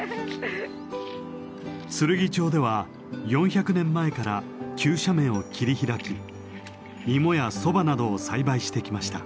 つるぎ町では４００年前から急斜面を切り開き芋やソバなどを栽培してきました。